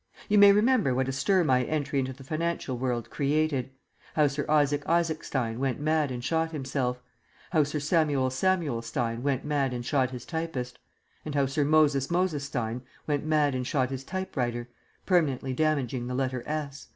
You may remember what a stir my entry into the financial world created; how Sir Isaac Isaacstein went mad and shot himself; how Sir Samuel Samuelstein went mad and shot his typist; and how Sir Moses Mosestein went mad and shot his typewriter, permanently damaging the letter "s."